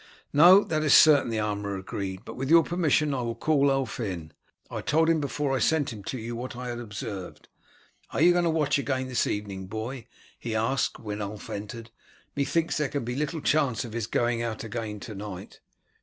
"No, that is certain," the armourer agreed; "but with your permission I will call Ulf in. I told him before I sent him to you what I had observed. Are you going to watch again this evening, boy?" he asked when Ulf entered. "Methinks there can be little chance of his going out again to night."